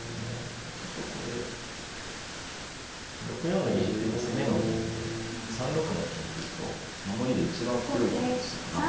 やっぱりちょっとこれ６四の銀っていうと攻めの銀で３六の金っていうと守りで一番強い駒でしたから。